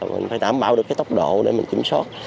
mình phải đảm bảo được cái tốc độ để mình kiểm soát